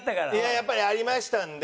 やっぱりありましたんで。